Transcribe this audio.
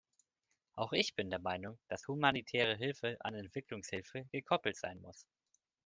Auch ich bin der Meinung, dass humanitäre Hilfe an Entwicklungshilfe gekoppelt sein muss.